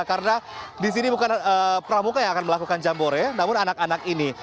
karena di sini bukan pramuka yang akan melakukan jambore namun anak anak ini